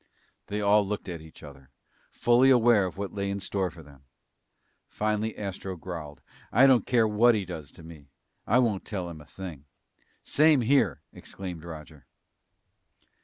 They all looked at each other, fully aware of what lay in score for them. Finally Astro growled, "I don't care what he does to me. I won't tell him a thing!" "Same here!" exclaimed Roger.